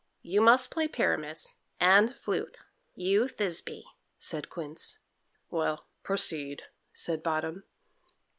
you must play Pyramus, and, Flute, you Thisby," said Quince. "Well, proceed," said Bottom.